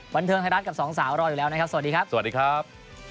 บันเทิงไทยรัฐกับสองสาวรออยู่แล้วนะครับสวัสดีครับสวัสดีครับ